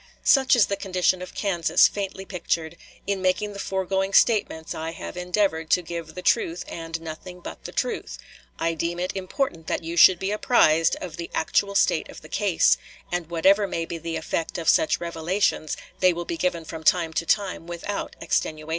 Such is the condition of Kansas faintly pictured.... In making the foregoing statements I have endeavored to give the truth and nothing but the truth. I deem it important that you should be apprised of the actual state of the case; and whatever may be the effect of such revelations, they will be given from time to time without extenuation."